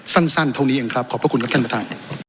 สั้นเท่านี้เองครับขอบพระคุณครับท่านประธาน